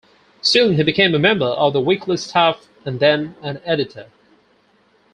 Soon he became a member of the weekly's staff and then an editor.